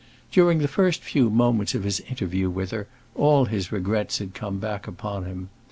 During the first few moments of his interview with her all his regrets had come back upon him.